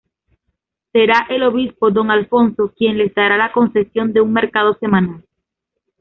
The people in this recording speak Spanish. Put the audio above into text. Será el obispo don Alfonso quien les dará la concesión de un mercado semanal.